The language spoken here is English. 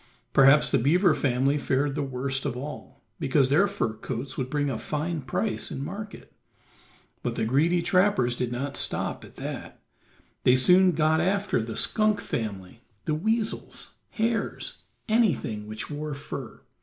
Perhaps the beaver family fared the worst of all, because their fur coats would bring a fine price in market. But the greedy trappers did not stop at that; they soon got after the skunk family, the weasels, hares, anything which wore fur.